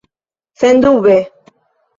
Sendube!